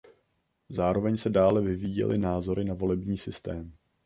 Zároveň se dále vyvíjely názory na volební systém.